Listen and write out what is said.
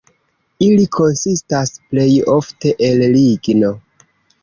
Ili konsistas plej ofte el ligno.